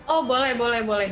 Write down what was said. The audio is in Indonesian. oh boleh boleh boleh